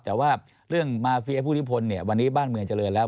แต่ว่าเรื่องมาเฟียผู้นิพลเนี่ยวันนี้บ้านเมืองเจริญแล้ว